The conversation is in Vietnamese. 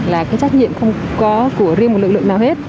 là cái trách nhiệm không có của riêng một lực lượng nào hết